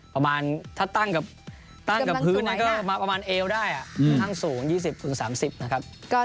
ประมาณถ้าตั้งกับพื้นเนี่ยก็มาประมาณเอวได้เพิ่งทางสูง๒๐ตกคุณ๓๐